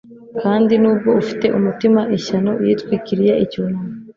kandi, nubwo ufite umutima, ishyano! yitwikiriye icyunamo